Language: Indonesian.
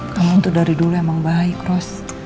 kamu tuh dari dulu emang baik ros